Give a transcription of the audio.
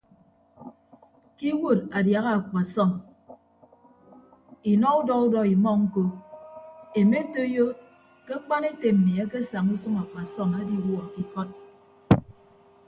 Ke iwuod adiaha akpasọm inọ udọ udọ imọ ñkọ emetoiyo ke akpan ete mmi akesaña usʌñ akpasọm ediwuọ ke ikọd.